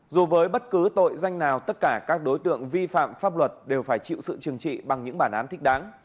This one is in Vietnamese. dù với bất cứ tội danh nào tất cả các đối tượng vi phạm pháp luật đều phải chịu sự trừng trị bằng những bản án thích đáng